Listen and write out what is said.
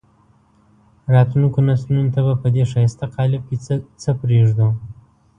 راتلونکو نسلونو ته به په دې ښایسته قالب کې څه پرېږدو.